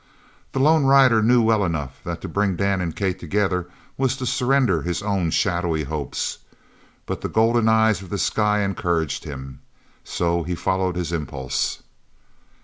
The lone rider knew well enough that to bring Dan and Kate together was to surrender his own shadowy hopes, but the golden eyes of the sky encouraged him. So he followed his impulse.